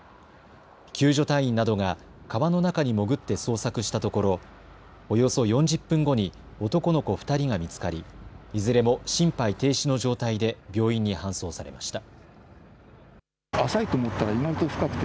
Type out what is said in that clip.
救助隊員などが川の中に潜って捜索したところ、およそ４０分後に男の子２人が見つかりいずれも心肺停止の状態で病院に搬送されました。